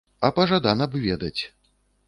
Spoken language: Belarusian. А пажадана б ведаць.